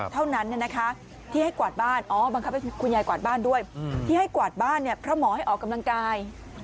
เท่านั้นที่ให้กวาดบ้านอ๋อบังคับให้คุณยายกวาดบ้านด้วยที่ให้กวาดบ้านเนี่ยเพราะหมอให้ออกกำลังกาย